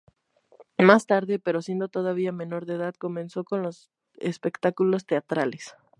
Más tarde, pero siendo todavía menor de edad, comenzó con los espectáculos teatrales.